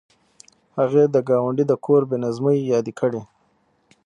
هغې د ګاونډي د کور بې نظمۍ یادې کړې